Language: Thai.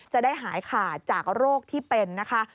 จะได้หายขาดจากโรคที่เป็นนะคะ